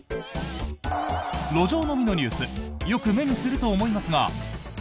路上飲みのニュースよく目にすると思いますが。